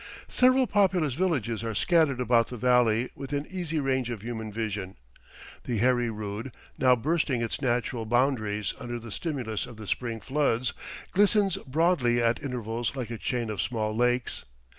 Several populous villages are scattered about the valley within easy range of human vision; the Heri Rood, now bursting its natural boundaries under the stimulus of the spring floods, glistens broadly at intervals like a chain of small lakes.